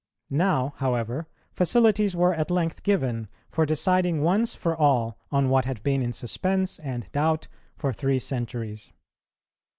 Now, however, facilities were at length given for deciding once for all on what had been in suspense and doubt for three centuries.